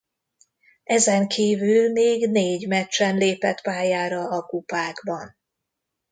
Ezenkívül még négy meccsen lépett pályára a kupákban.